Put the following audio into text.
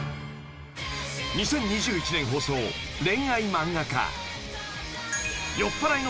［２０２１年放送『レンアイ漫画家』］